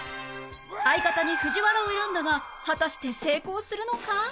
相方に藤原を選んだが果たして成功するのか？